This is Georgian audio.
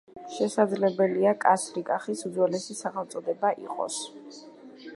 შესაძლებელია კასრი კახის უძველესი სახელწოდება იყოს.